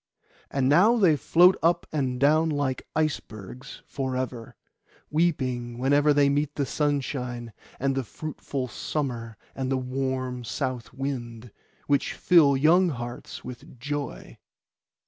And now they float up and down like icebergs for ever, weeping whenever they meet the sunshine, and the fruitful summer and the warm south wind, which fill young hearts with joy.